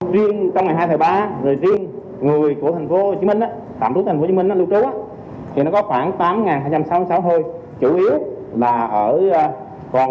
riêng trong ngày hai tháng ba